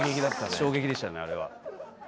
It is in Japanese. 衝撃でしたね、あれは。